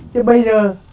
chứ bây giờ